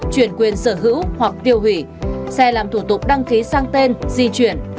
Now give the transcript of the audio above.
chuyển quyền sở hữu hoặc tiêu hủy xe làm thủ tục đăng ký sang tên di chuyển